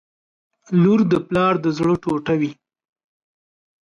• لور د پلار د زړه ټوټه وي.